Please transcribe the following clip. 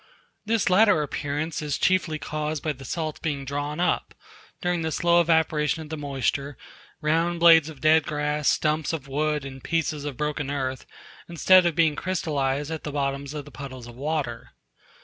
This latter appearance is chiefly caused by the salts being drawn up, during the slow evaporation of the moisture, round blades of dead grass, stumps of wood, and pieces of broken earth, instead of being crystallized at the bottoms of the puddles of water.